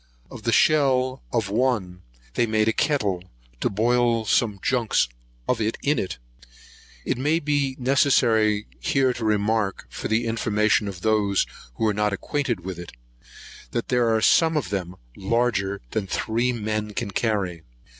Of the shell of one they made a kettle, to boil some junks of it in. (It may be necessary here to remark, for the information of those who are not acquainted with it, that there are some of them larger than three men can carry.)